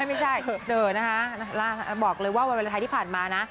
ไม่ใช่นะคะบอกเลยว่าวันวาเลนไทยที่ผ่านมานะ